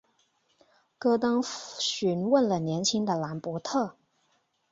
戈登询问了年轻的兰伯特。